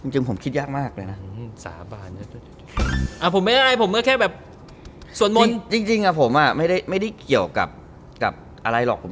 จริงกับผมอะไม่ได้เกี่ยวกับอะไรหรอก